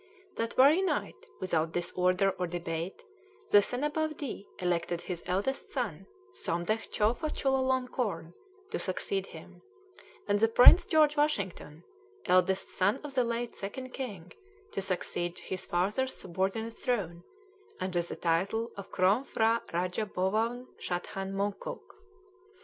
That very night, without disorder or debate, the Senabawdee elected his eldest son, Somdetch Chowfa Chulalonkorn, to succeed him; and the Prince George Washington, eldest son of the late Second King, to succeed to his father's subordinate throne, under the title of Krom P'hra Raja Bowawn Shathan Mongkoon.